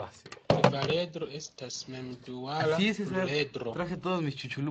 Kvaredro estas mem-duala pluredro.